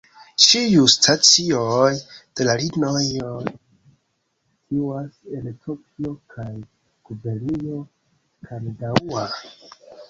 Ĉiuj stacioj de la linioj situas en Tokio kaj gubernio Kanagaŭa.